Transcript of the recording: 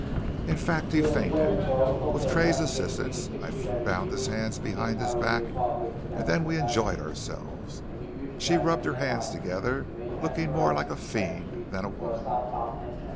In fact he fainted. With Tray's assistance I bound his hands behind his back, and then we enjoyed ourselves," she rubbed her hands together, looking more like a fiend than a woman.